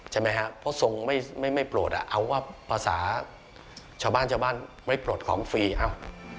ใช่ไหมครับเพราะทรงไม่ปรดเอาว่าภาษาชาวบ้านไว้ปรดของฟรีครับ